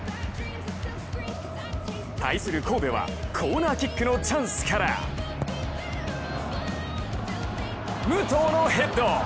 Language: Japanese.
対する神戸はコーナーキックのチャンスから武藤のヘッド！